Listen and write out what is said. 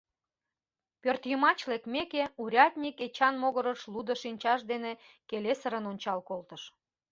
Пӧртйымач лекмеке, урядник Эчан могырыш лудо шинчаж дене келесырын ончал колтыш.